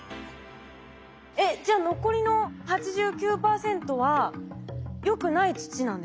えっじゃあ残りの８９％はよくない土なんですか？